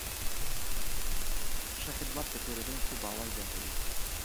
ښه خدمت د پیرودونکي باور زیاتوي.